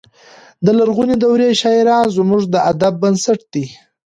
د لرغونې دورې شاعران زموږ د ادب بنسټ دی.